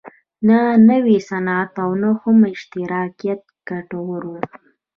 نه نوی صنعت او نه هم اشتراکیت ګټور و.